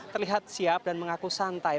terlihat siap dan mengaku santai